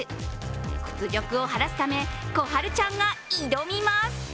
屈辱を晴らすため、コハルちゃんが挑みます。